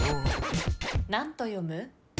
何と読む？